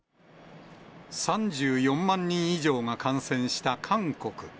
３４万人以上が感染した韓国。